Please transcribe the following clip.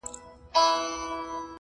روښانه نیت روښانه پایله راوړي؛